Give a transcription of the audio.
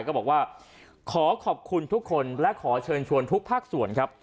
ก็บอกว่าขอขอบคุณทุกคนและขอเชิญชวนทุกภาคส่วนครับ